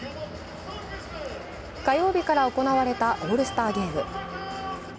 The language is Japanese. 火曜日から行われたオールスターゲーム。